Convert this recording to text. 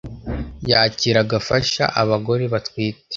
yakira agafasha abagore batwite